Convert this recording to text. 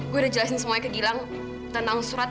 gue udah jelasin semuanya ke gilang tentang surat